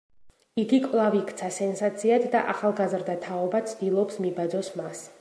იგი კვლავ იქცა სენსაციად და ახალგაზრდა თაობა ცდილობს მიბაძოს მას.